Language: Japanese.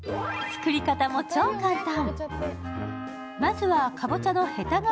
作り方も超簡単。